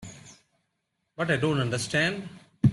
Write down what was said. But I don't understand.